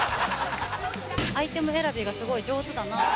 アイテム選びがすごい上手だな。